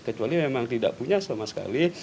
kecuali memang tidak punya sama sekali